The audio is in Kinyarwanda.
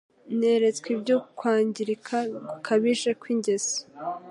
Neretswe iby’ukwangirika gukabije kw’ingeso